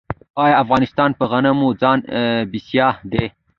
آیا افغانستان په غنمو ځان بسیا دی؟